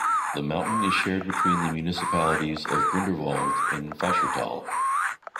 The mountain is shared between the municipalities of Grindelwald and Fieschertal.